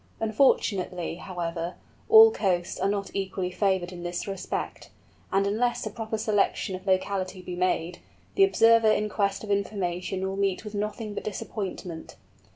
Unfortunately, however, all coasts are not equally favoured in this respect, and unless a proper selection of locality be made, the observer in quest of information will meet with nothing but disappointment.